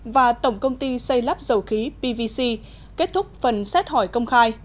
và tổng công ty xây lắp dầu khí pvc kết thúc phần xét hỏi công khai